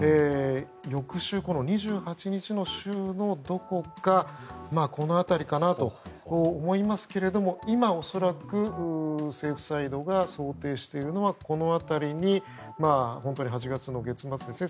翌週、２８日の週のどこかこの辺りかなと思いますが今、恐らく政府サイドが想定しているのはこの辺りに本当に８月の月末ですね。